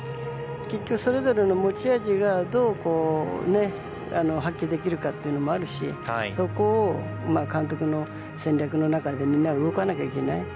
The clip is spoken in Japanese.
結局それぞれの持ち味がどう発揮できるかというのもあるしそこを監督の戦略の中でみんな動かなきゃいけない。